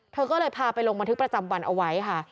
เธอก็เลยพาไปลงบันทึกประจำวันเอาไว้ค่ะ